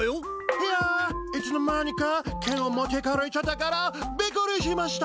いやいつの間にか剣を持ってかれちゃったからびっくりしました。